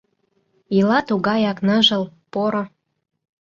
Ила тугаяк ныжыл, поро.